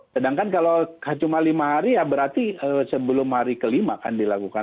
sedangkan kalau cuma lima hari ya berarti sebelum hari kelima kan dilakukan